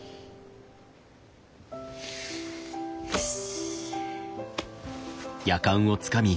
よし。